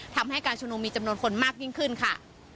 ทำให้การชุมนุมมีจำนวนคนมากยิ่งขึ้นค่ะ